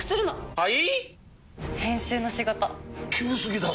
はい。